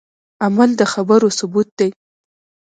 عمل د خبرو ثبوت دی